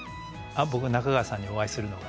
僕中川さんにお会いするのが。